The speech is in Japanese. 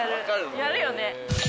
やるよね。